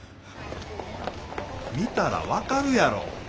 見たら分かるやろ！